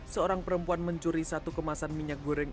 seorang perempuan mencuri satu kemasan minyak goreng